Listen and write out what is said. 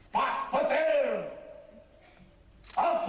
pak petir kekuatan petir bisa berbuat sama upu